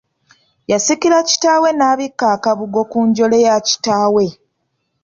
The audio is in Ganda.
Yasikira kitaawe n'abikka akabugo ku njole ya kitaawe.